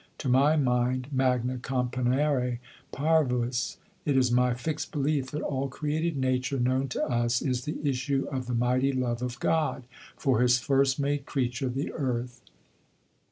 To my mind, magna componere parvis, it is my fixed belief that all created nature known to us is the issue of the mighty love of God for his first made creature the Earth.